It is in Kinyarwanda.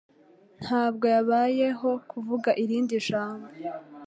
Ntabwo yabayeho kuvuga irindi jambo